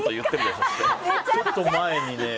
ちょっと前にね。